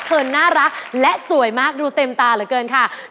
เธอน่ารักและสวยมากดูเต็มตาเหลือยังง